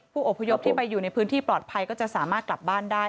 ผู้อพยพที่ไปอยู่ในพื้นที่ปลอดภัยก็จะสามารถกลับบ้านได้